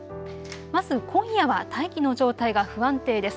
まず今夜は大気の状態が不安定です。